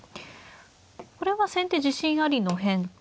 これは先手自信ありの変化なんですか。